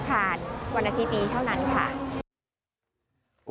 ตั้งแต่วันที่๒๗เมษาจนถึง๑พฤษภาควันอาทิตย์นี้เท่านั้นค่ะ